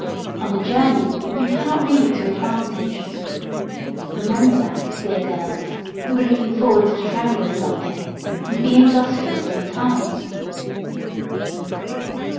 On a journey you cannot read to advantage. Remember that, dear girls, who are looking forward to travelling some day, and be industrious in time.